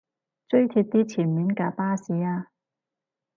追貼啲前面架巴士吖